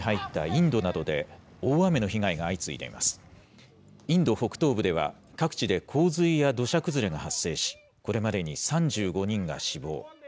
インド北東部では、各地で洪水や土砂崩れが発生し、これまでに３５人が死亡。